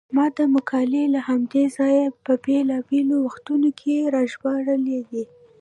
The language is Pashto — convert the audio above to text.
ما دا مقالې له همدې ځایه په بېلابېلو وختونو کې راژباړلې دي.